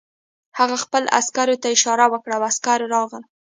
هغه خپل عسکر ته اشاره وکړه او عسکر راغی